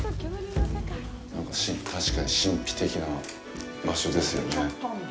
なんか、確かに神秘的な場所ですよね。